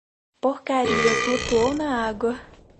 Porcaria flutuou na água.